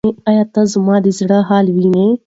ایا ته زما د زړه حال وینې؟